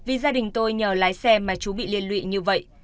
anh quy nói chú đã lấy xe mà chú bị liên lụy như vậy